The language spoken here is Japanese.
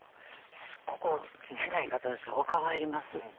すっごく変な言い方ですが若返ります